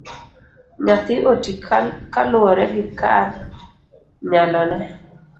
Nyathi oti kaluwore gi kar nyalone.